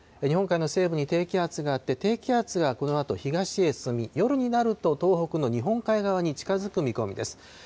日本海の西部に低気圧があって、低気圧がこのあと、東へ進み、夜になると、東北の日本海側に近づく見込みです。